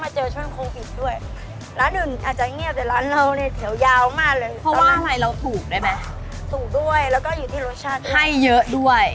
แล้วก็มาเจอช่วงโคนคิดด้วย